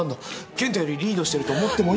健太よりリードしてると思ってもいい。